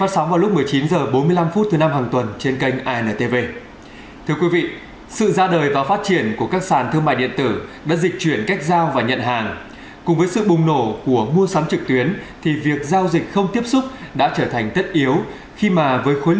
xin chào và hẹn gặp lại trong các video tiếp theo